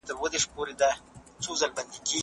بېلابېل غبرګونونه د بدن دفاعي سیسټم دي.